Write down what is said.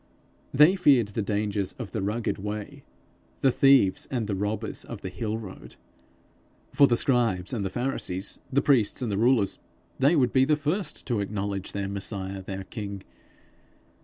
They feared the dangers of the rugged way, the thieves and robbers of the hill road. For the scribes and the pharisees, the priests and the rulers they would be the first to acknowledge their Messiah, their king!